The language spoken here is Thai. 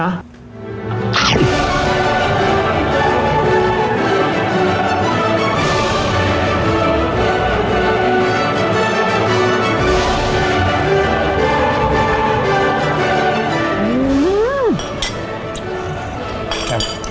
แฮ็บ